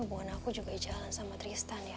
bukan aku juga jalan sama tristan ya